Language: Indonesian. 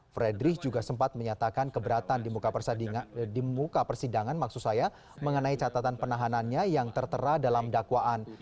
fredrich juga sempat menyatakan keberatan di muka persidangan maksud saya mengenai catatan penahanannya yang tertera dalam dakwaan